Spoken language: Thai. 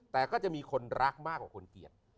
แต่ก็จะมีคนรักมากกว่าคนเกลียด